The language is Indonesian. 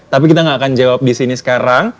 tapi kita nggak akan jawab di sini sekarang